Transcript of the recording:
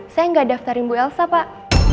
saya nggak daftarin bu elsa pak